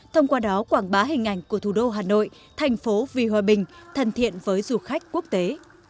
thông qua đó quảng bá hình ảnh của thủ đô hà nội thành phố vì hòa bình thân thiện với du khách quốc tế